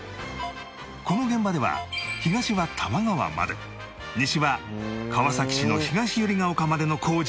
この現場では東は多摩川まで西は川崎市の東百合丘までの工事を担当